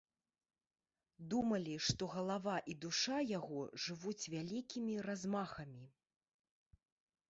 Думалі, што галава і душа яго жывуць вялікімі размахамі.